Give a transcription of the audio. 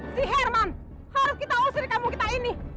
si herman harus kita usir kamu kita ini